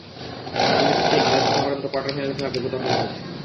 তাঁর নেতৃত্বেই বাংলাদেশ প্রথমবারের মতো কোয়ার্টার ফাইনালে খেলার যোগ্যতা অর্জন করেছে।